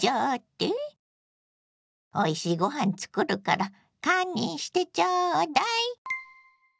おいしいご飯作るから堪忍してちょうだい！